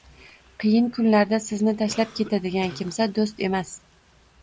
qiyin kunlarda sizni tashlab ketadigan kimsa do‘st emas.